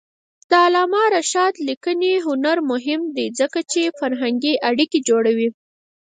د علامه رشاد لیکنی هنر مهم دی ځکه چې فرهنګي اړیکې جوړوي.